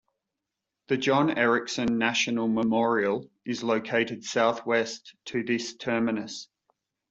The John Ericsson National Memorial is located southwest to this terminus.